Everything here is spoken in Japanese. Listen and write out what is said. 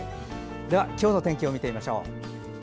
では今日の天気を見てみましょう。